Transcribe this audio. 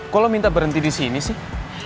kalo minta berhenti disini sih